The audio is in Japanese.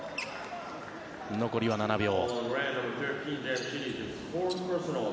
残りは７秒。